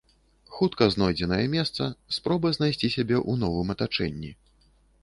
Хутка знойдзенае месца, спроба знайсці сябе ў новым атачэнні.